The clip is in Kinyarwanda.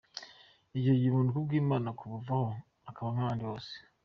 Icyo gihe ubuntu bw’ Imana bukuvaho ukaba nk’abandi bose.